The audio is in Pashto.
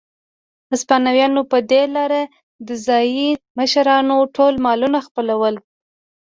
هسپانویانو په دې لارې د ځايي مشرانو ټول مالونه خپلول.